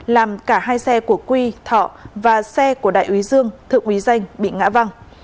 làm cả hai xe của quy thọ và xe của đại úy dương thượng quý danh bị ngã văng